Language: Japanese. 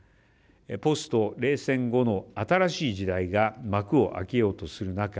ポスト冷戦後の新しい時代が幕を開けようとする中